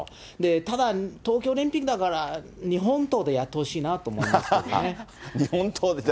ただ、東京オリンピックだから日本刀でやってほしいなと思いますね。